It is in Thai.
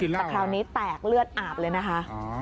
แต่คราวนี้แตกเลือดอาบเลยนะคะ